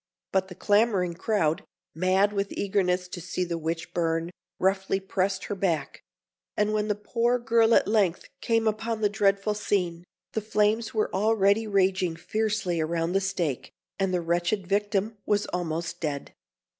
But the clamouring crowd, mad with eagerness to see the witch burn, roughly pressed her back; and when the poor girl at length came upon the dreadful scene, the flames were already raging fiercely around the stake, and the wretched victim was almost dead.